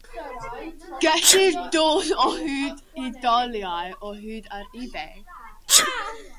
Gellir dod o hyd i'r doliau o hyd ar eBay.